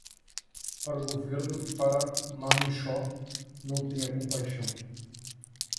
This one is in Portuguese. Para o governo e para o marranxó, não tenha compaixão.